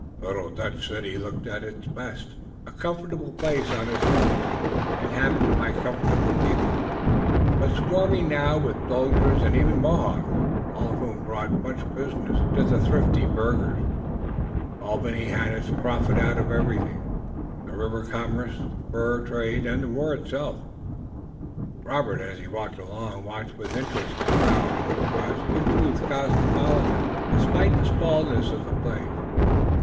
The little Dutch city looked its best, a comfortable place on its hills, inhabited by comfortable people, but swarming now with soldiers and even with Mohawks, all of whom brought much business to the thrifty burghers. Albany had its profit out of everything, the river commerce, the fur trade, and war itself. Robert, as he walked along, watched with interest the crowd which was, in truth, cosmopolitan, despite the smallness of the place.